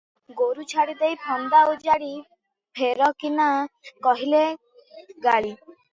ଗୋରୁ ଛାଡ଼ିଦେଇ ଫନ୍ଦା ଉଜାଡ଼, ଫେର କିନା - କହିଲେ ଗାଳି?